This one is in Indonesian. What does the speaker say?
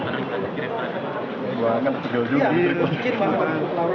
iya diperbincin bagian perang terut